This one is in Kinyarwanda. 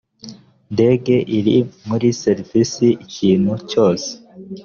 ndege iri muri serivisi ikintu cyose